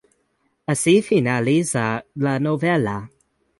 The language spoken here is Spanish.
Así finaliza la novela.